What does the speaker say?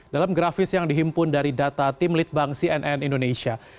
dalam grafis yang dihimpun dari data tim litbang cnn indonesia